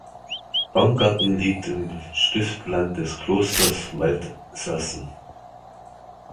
Baumgarten liegt im Stiftland des Klosters Waldsassen.